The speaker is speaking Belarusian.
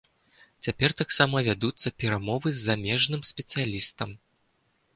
Цяпер таксама вядуцца перамовы з замежным спецыялістам.